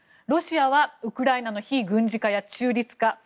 ロシアはウクライナの非軍事化や中立化